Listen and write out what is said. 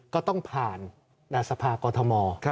ก็ต้องผ่านนาศพากรทม